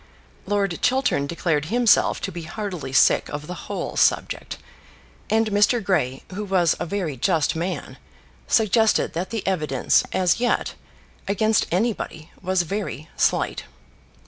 Lord Chiltern declared himself to be heartily sick of the whole subject; and Mr. Grey, who was a very just man, suggested that the evidence, as yet, against anybody, was very slight.